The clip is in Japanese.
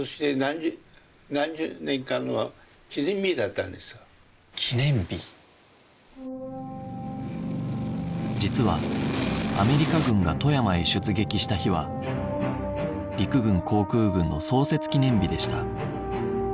それでね実はアメリカ軍が富山へ出撃した日は陸軍航空軍の創設記念日でした